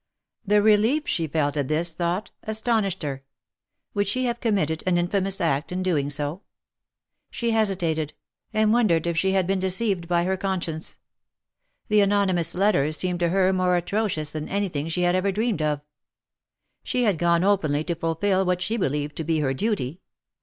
The relief she felt at this thought astonished her. Would she have committed an infamous act in doing so ? She hesitated, and wondered if she had been deceived by her conscience. The anonymous letters seemed to her more atrocious than anything she had ever dreamed of. She had gone openly to fulfil what she believed to be her duty.